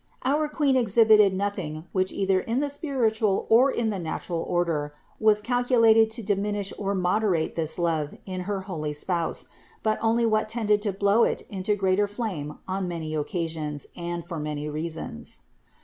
Our Queen exhibited nothing which either in the spiritual or in the natural order was calculated to diminish or moderate this love in her holy spouse, but only what tended to blow it into greater flame on many occasions and for many reasons.